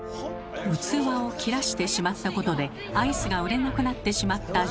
器を切らしてしまったことでアイスが売れなくなってしまったジョージ。